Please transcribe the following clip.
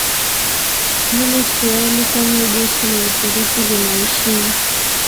lile suali kama jeshi la Uturuki linaheshimu